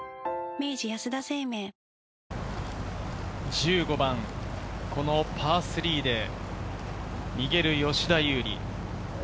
１５番、パー３で逃げる吉田優利。